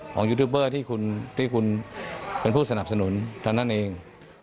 ยูทูบเบอร์ที่คุณเป็นผู้สนับสนุนเท่านั้นเอง